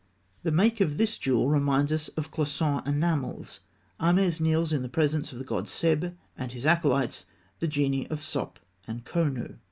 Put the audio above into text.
The make of this jewel reminds us of cloisonné enamels. Ahmes kneels in the presence of the god Seb and his acolytes, the genii of Sop and Khonû.